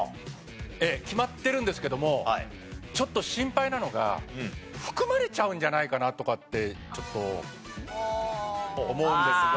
ええ決まってるんですけどもちょっと心配なのが含まれちゃうんじゃないかなとかってちょっと思うんですが。